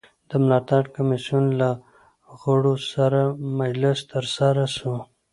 د ملاتړ کمېسیون له غړو سره مجلس ترسره سو.